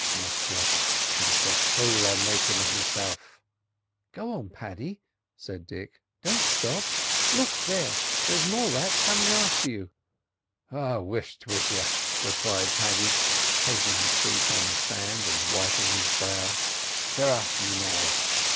Musha, but it's a fool I'm makin' of meself." "Go on, Paddy," said Dick; "don't stop— Look there—there's more rats coming after you!" "Oh, whisht, will you?" replied Paddy, taking his seat on the sand, and wiping his brow. "They're aff me now."